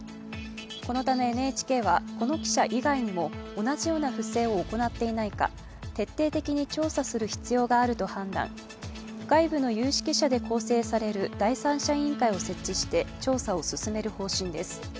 このためＮＨＫはこの記者以外にも同じような不正を行っていないか徹底的に調査する必要があると判断、外部の有識者で構成される第三者委員会を設置して調査を進める方針です。